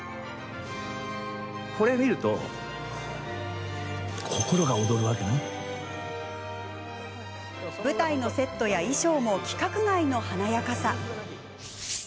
これ見ると舞台のセットや衣装も規格外の華やかさ。